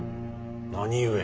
何故。